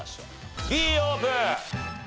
Ｂオープン！